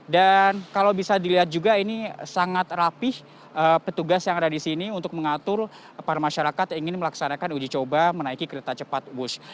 dan kalau bisa dilihat juga ini sangat rapih petugas yang ada di sini untuk mengatur para masyarakat yang ingin melaksanakan uji coba menaiki kereta cepat bus